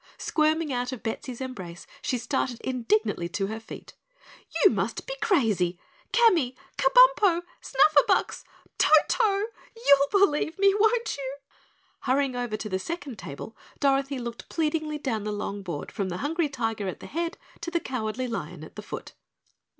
Squirming out of Bettsy's embrace, she started indignantly to her feet. "You must be crazy! Camy! Kabumpo! Snufferbux! Toto! You you'll believe me, won't you?" Hurrying over to the second table, Dorothy looked pleadingly down the long board from the Hungry Tiger at the head to the Cowardly Lion at the foot.